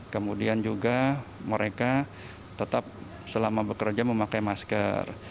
kemudian juga mereka tetap selama bekerja memakai masker